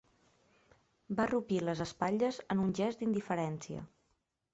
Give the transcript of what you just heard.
Va arrupir les espatlles en un gest d'indiferència.